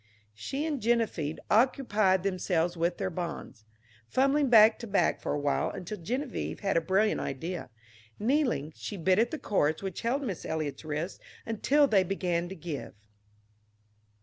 She and Geneviève occupied themselves with their bonds, fumbling back to back for a while, until Geneviève had a brilliant idea. Kneeling, she bit at the cords which held Miss Eliot's wrists until they began to give.